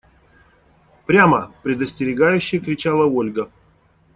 – Прямо! – предостерегающе кричала Ольга.